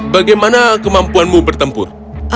bagaimana kemampuanmu bertempur